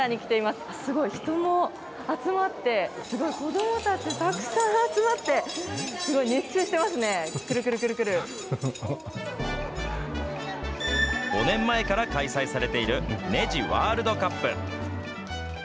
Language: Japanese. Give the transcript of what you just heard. すごい、人も集まって、すごい、子どもたち、たくさん集まって、すごい熱中してますね、くるくる５年前から開催されている、ねじワールドカップ。